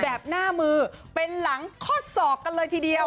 แบบหน้ามือเป็นหลังข้อศอกกันเลยทีเดียว